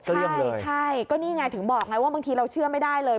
ใช่ใช่ก็นี่ไงถึงบอกไงว่าบางทีเราเชื่อไม่ได้เลย